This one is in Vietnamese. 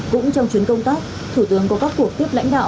cũng trong chuyến công tác thủ tướng có các cuộc tiếp lãnh đạo